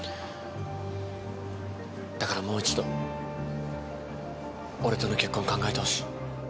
だから、もう一度俺との結婚を考えてほしい。